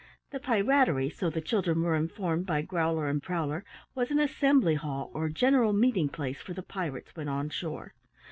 The Pirattery, so the children were informed by Growler and Prowler, was an assembly hall or general meeting place for the pirates when on shore.